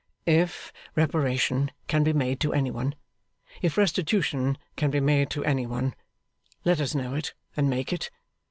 'If reparation can be made to any one, if restitution can be made to any one, let us know it and make it.